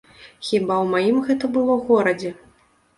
Хіба ў маім гэта было горадзе?